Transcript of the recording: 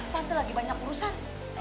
tante lagi banyak urusan